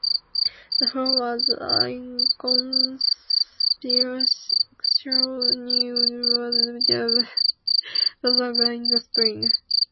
The flowers are inconspicuous unisexual catkins that occur in the spring.